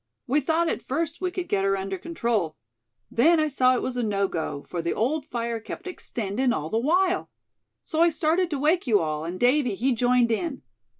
We thought at first we could get her under control; then I saw it was no go, for the old fire kept extendin' all the while. So I started to wake you all, and Davy, he joined in.